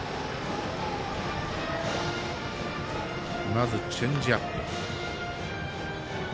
まず、チェンジアップ。